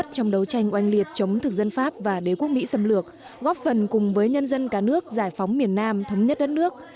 trong đấu tranh oanh liệt chống thực dân pháp và đế quốc mỹ xâm lược góp phần cùng với nhân dân cả nước giải phóng miền nam thống nhất đất nước